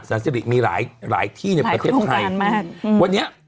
แสนสิริมีหลายที่ในประเทศไทย